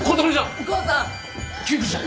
お母さん！